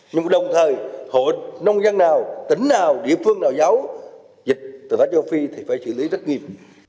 nhưng đồng thời hộ nông dân nào tỉnh nào địa phương nào giấu dịch tả lợn châu phi thì phải xử lý rất nghiêm